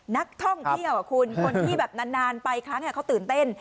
นักท่องเที่ยวคนที่นานไปครั้งนี้เขาตื่นเต้น